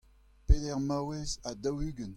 peder maouez ha daou-ugent.